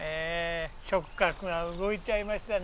触角が動いちゃいましたね。